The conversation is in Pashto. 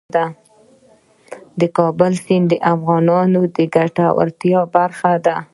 د کابل سیند د افغانانو د ګټورتیا برخه ده.